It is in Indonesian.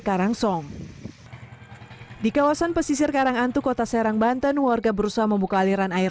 karangsong di kawasan pesisir karangantu kota serang banten warga berusaha membuka aliran air